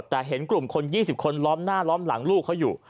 แต่เห็นกลุ่มคน๒๐คนล้อมหน้าล้อมหลังลูกเขาอยู่